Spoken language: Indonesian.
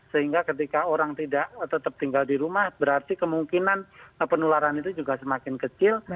sehingga ketika orang tidak tetap tinggal di rumah berarti kemungkinan penularan itu juga semakin kecil